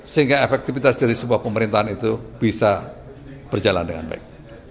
sehingga efektivitas dari sebuah pemerintahan itu bisa berjalan dengan baik